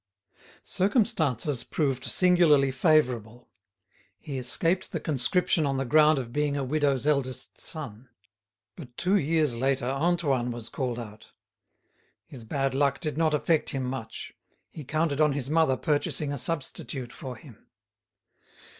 Circumstances proved singularly favourable. He escaped the conscription on the ground of being a widow's eldest son. But two years later Antoine was called out. His bad luck did not affect him much; he counted on his mother purchasing a substitute for him.